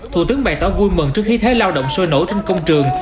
thủ tướng bày tỏ vui mừng trước khi thế lao động sôi nổ trên công trường